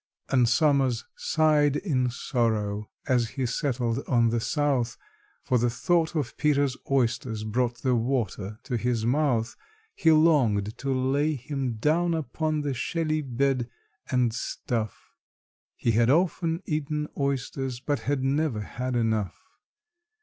And SOMERS sighed in sorrow as he settled in the south, For the thought of PETER'S oysters brought the water to his mouth. He longed to lay him down upon the shelly bed, and stuff: He had often eaten oysters, but had never had enough.